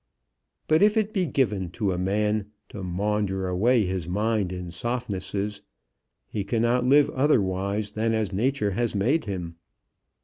But if it be given to a man "to maunder away his mind in softnesses," he cannot live otherwise than as nature has made him.